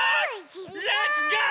レッツゴー！